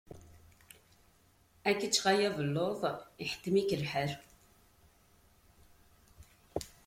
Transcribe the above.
Ad k-ččeɣ a yabelluḍ, iḥettem-ik lḥal.